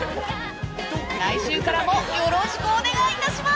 来週からもよろしくお願いいたします！